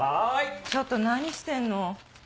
ちょっと何してんの？